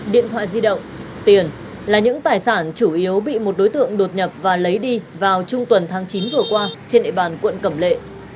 điện thoại di động tiền là những tài sản chủ yếu bị một đối tượng đột nhập và lấy đi vào trung tuần tháng chín vừa qua trên địa bàn quận cẩm lệ